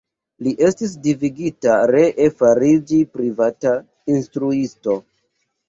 Li estis devigita ree fariĝi privata instruisto.